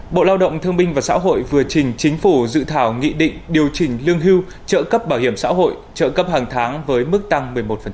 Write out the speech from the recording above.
bộ lao động thương minh và xã hội vừa trình chính phủ dự thảo nghị định điều chỉnh lương hưu trợ cấp bảo hiểm xã hội trợ cấp hàng tháng với mức tăng một mươi một